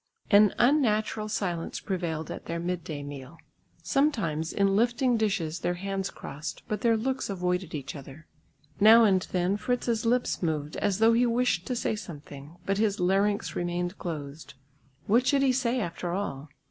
An unnatural silence prevailed at their midday meal; sometimes in lifting dishes their hands crossed but their looks avoided each other; now and then Fritz's lips moved, as though he wished to say something, but his larynx remained closed. What should he say after all.